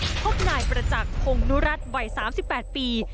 พบนายประจักษ์พงนุรัติวัย๓๘ปี